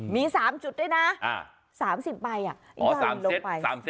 มี๓จุดด้วยนะ๓๐ไปอ่ะ